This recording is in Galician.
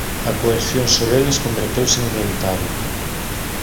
A coerción sobre eles converteuse en inevitable.